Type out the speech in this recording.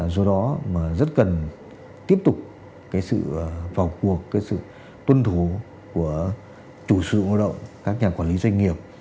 do đó mà rất cần tiếp tục cái sự vào cuộc cái sự tuân thủ của chủ sử lao động các nhà quản lý doanh nghiệp